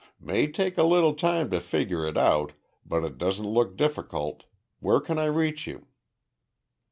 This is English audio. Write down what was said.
"May take a little time to figure it out, but it doesn't look difficult. Where can I reach you?"